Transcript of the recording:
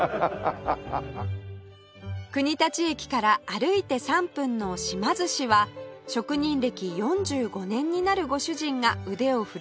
国立駅から歩いて３分の嶋寿司は職人歴４５年になるご主人が腕を振るっています